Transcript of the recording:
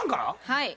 はい。